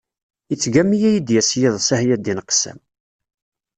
Yettgami ad yi-d-yas yiḍes, ah ya ddin qessam!